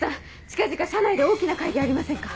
近々社内で大きな会議ありませんか？